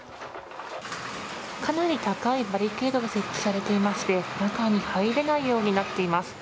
かなり高いバリケードが設置されていまして中に入れないようになっています。